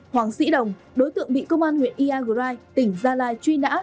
hoàng sĩ đồng đối tượng bị công an huyện iagrai tỉnh gia lai truy nã